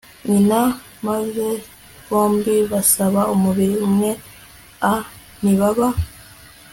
nyina maze bombi bakaba umubiri umwe a ntibaba